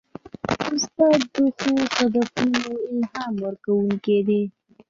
استاد د ښو هدفونو الهام ورکوونکی دی.